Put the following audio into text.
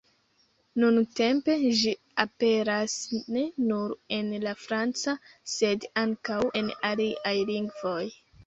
Nuntempe ĝi aperas ne nur en la franca, sed ankaŭ en aliaj lingvoj.